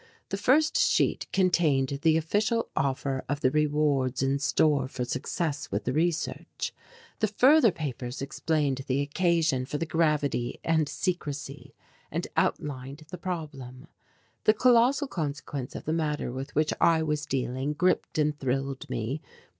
The first sheet contained the official offer of the rewards in store for success with the research. The further papers explained the occasion for the gravity and secrecy, and outlined the problem. The colossal consequence of the matter with which I was dealing gripped and thrilled me.